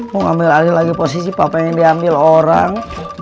mau ambil alih lagi posisi papa yang diambil orang